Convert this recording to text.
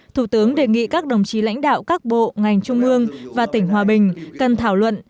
thủ tướng đề nghị các đồng chí lãnh đạo các bộ ngành trung ương và tỉnh hòa bình cần thảo luận